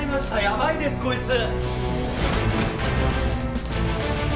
やばいですこいつ！